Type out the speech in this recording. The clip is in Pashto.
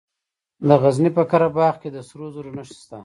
د غزني په قره باغ کې د سرو زرو نښې شته.